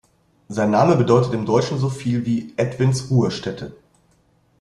Sein Name bedeutet im Deutschen so viel wie „Edwins Ruhestätte“.